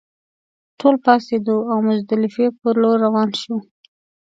ټول پاڅېدو او مزدلفې پر لور روان شوو.